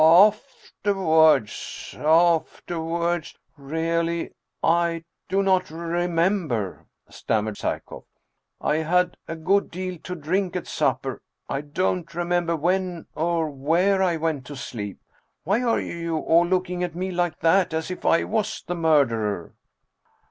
" Afterwards afterwards Really, I do not remem ber," stammered Psyekoff. "I had a good deal to drink at supper. I don't remember when or where I went to sleep. Why are you all looking at me like that, as if I was the murderer